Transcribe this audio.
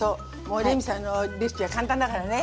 レミさんのレシピは簡単だからね。